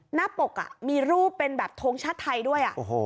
หน้าปกมีรูปเป็นแบบทงชาติไทยด้วย